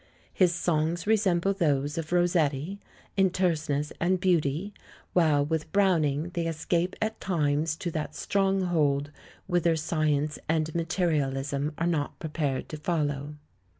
His songs resemble those of Ros setti in terseness and beauty, while with Brown ing they escape at times to that stronghold whither science and materialism are not prepared to follow.